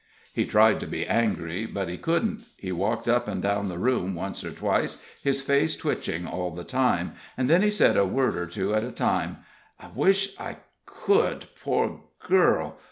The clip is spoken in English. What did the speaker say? He tried to be angry, but he couldn't. He walked up and down the room once or twice, his face twitching all the time, and then he said, a word or two at a time: "I wish I could poor girl!